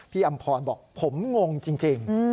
อำพรบอกผมงงจริง